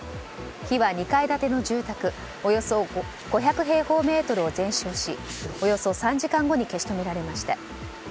火は２階建ての住宅およそ５００平方メートルを全焼しおよそ３時間後に消し止められました。